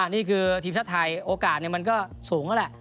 นี่คือทีมชาติไทยโอกาสมันก็สูงแล้วแหละ